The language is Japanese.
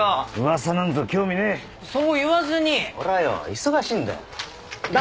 噂なんぞ興味ねぇそう言わずに俺はよ忙しいんだよだんご！